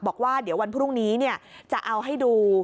บอกว่าเดี๋ยววันพรุ่งนี้จะเอาให้ดู